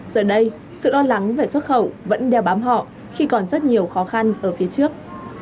giờ đây sự lo lắng về xuất khẩu vẫn đeo bám họ khi còn rất nhiều khó khăn ở phía trước